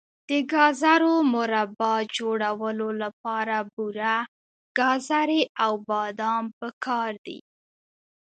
د ګازرو مربا جوړولو لپاره بوره، ګازرې او بادام پکار دي.